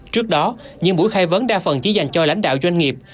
trước đó những buổi khai vấn đa phần chỉ dành cho lãnh đạo doanh nghiệp